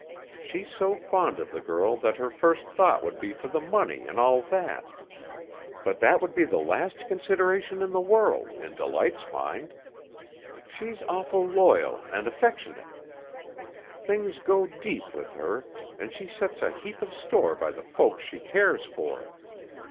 She's so fond of the girl that her first thought would be for the money an' all that; but that would be the last consideration in the world in Delight's mind. She's awful loyal an' affectionate. Things go deep with her, an' she sets a heap of store by the folks she cares for.